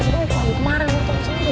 cuman kemarin lu tau ga sih